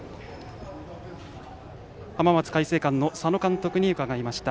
浜松開誠館の佐野監督に伺いました。